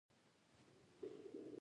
دا دښتې د ښځو په ژوند کې دي.